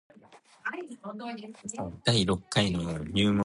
Gules a swan passant Argent beaked and legged Or.